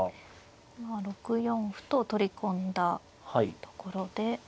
今６四歩と取り込んだところで。